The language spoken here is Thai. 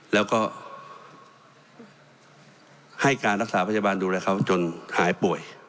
แล้วก็ให้การรักษาพยาบาลดูแลเขาจนหายป่วย